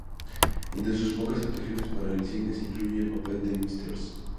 Entre sus pocas actuaciones para el cine se incluye el papel de Mrs.